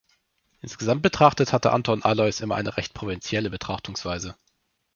Insgesamt betrachtet hatte Anton Aloys immer eine recht provinzielle Betrachtungsweise.